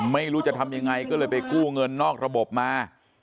ไม่รู้จะทำยังไงก็เลยไปกู้เงินนอกระบบมา